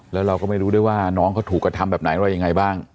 แล้วเราก็ไม่รู้ด้วยว่าน้องเขาถูกกระทำแบบไหนอะไรยังไงบ้าง